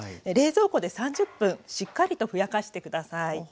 冷蔵庫で３０分しっかりとふやかして下さい。